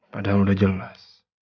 padahal udah jelas